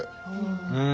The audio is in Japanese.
うん。